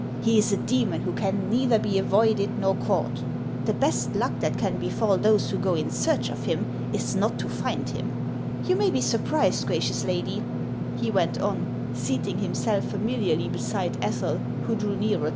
He is a demon who can neither be avoided nor caught ; the best luck that can befall those who go in search of him is not to find him. You may be surprised, gracious lady," he went on, seating himself familiarly beside Ethel, who drew nearer 1 The Pei si.iii god of evil.